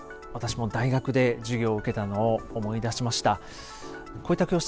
私も大学で授業を受けたのを思い出しました。